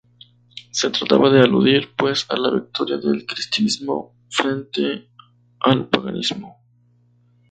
Se trataba de aludir, pues, a la victoria del Cristianismo frente al Paganismo.